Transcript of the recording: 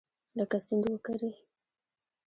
لکه سیند وکرې